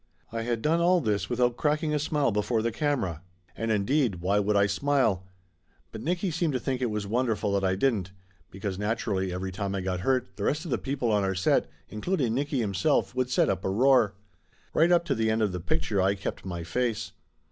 I had done all this without cracking a smile before the camera; and indeed why would I smile? But Nicky seemed to think it was wonderful that I didn't, because naturally every time I got hurt the rest of the people on our set including Nicky himself would set up a roar. Right up to the end of the picture I kept my face.